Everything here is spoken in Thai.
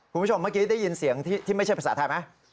คุณผู้ชมเมื่อกี้ได้ยินเสียงที่ไม่ใช่ภาษาไทยไหม